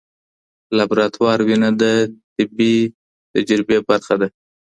لابراتوار وینه د طبي تجربه برخه ده.